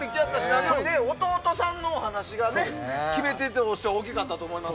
何より弟さんのお話が決め手として大きかったと思います。